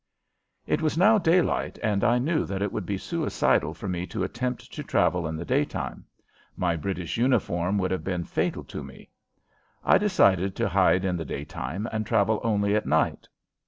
It was now daylight and I knew that it would be suicidal for me to attempt to travel in the daytime. My British uniform would have been fatal to me. I decided to hide in the daytime and travel only at night.